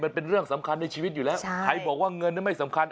มันเป็นเรื่องสำคัญในชีวิตอยู่แล้วใครบอกว่าเงินนั้นไม่สำคัญ